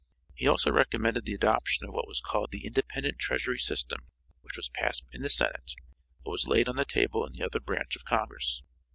He also recommended the adoption of what was called the independent treasury system, which was passed in the senate, but was laid on the table in the other branch of congress.